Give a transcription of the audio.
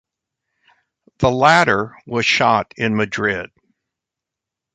The latter was shot in Madrid.